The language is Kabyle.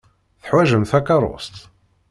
Teḥwajem takeṛṛust?